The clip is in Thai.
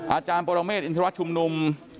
อาจารย์โปรดังเมฆอินทรวรรษชุมนุม